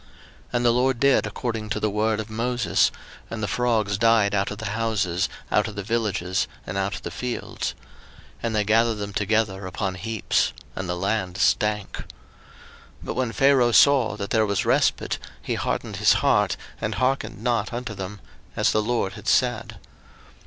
02:008:013 And the LORD did according to the word of Moses; and the frogs died out of the houses, out of the villages, and out of the fields. 02:008:014 And they gathered them together upon heaps: and the land stank. 02:008:015 But when Pharaoh saw that there was respite, he hardened his heart, and hearkened not unto them; as the LORD had said.